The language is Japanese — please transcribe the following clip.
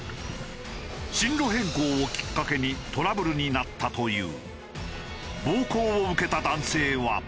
進路変更をきっかけにトラブルになったという。